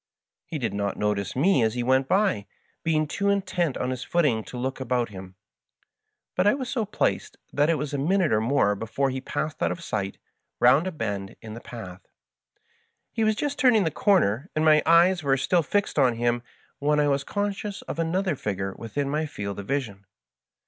He did not notice me as he went by, being too intent on his footing to look about him ; but I was so placed that it was a minute or more before he passed out of sight round a bend in the path. He was just turning the comer, and my eyes were still fixed on him, when I was conscious of another figure within my field of vision.